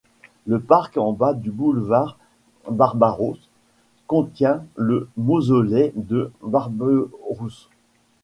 Le parc en bas du boulevard Barbaros, contient le mausolée de Barberousse.